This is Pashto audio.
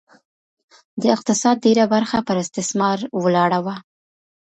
د اقتصاد ډېره برخه پر استثمار ولاړه وه.